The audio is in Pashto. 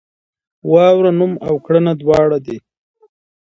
واوره نوم او کړنه دواړه دي.